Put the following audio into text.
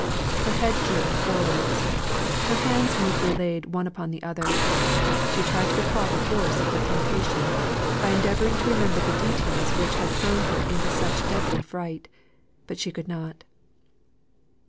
Her head drooped forwards her hands meekly laid one upon the other she tried to recall the force of her temptation, by endeavouring to remember the details which had thrown her into such deadly fright; but she could not.